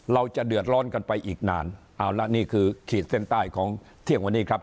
เราจะเดือดร้อนกันไปอีกนานเอาละนี่คือขีดเส้นใต้ของเที่ยงวันนี้ครับ